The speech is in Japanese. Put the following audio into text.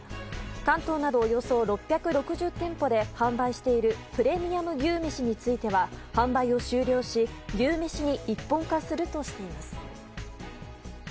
関東などおよそ６６０店舗で販売しているプレミアム牛めしについては販売を終了し牛めしに一本化するとしています。